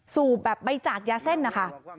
สูบไปจากยาเส้นนะคะ